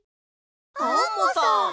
アンモさん！